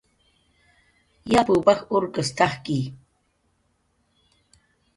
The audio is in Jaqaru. "Yapw paj urkas t""arki"